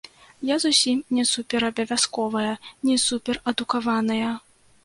Я зусім не суперабавязковая, не суперадукаваная.